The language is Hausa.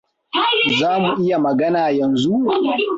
Za mu iya magana yanzu?